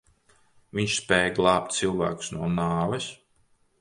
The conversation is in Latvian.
Viņš spēja glābt cilvēkus no nāves?